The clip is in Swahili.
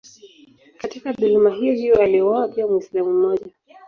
Katika dhuluma hiyohiyo aliuawa pia Mwislamu mmoja.